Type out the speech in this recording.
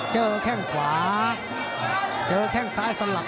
แข้งขวาเจอแข้งซ้ายสลับ